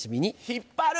引っ張る！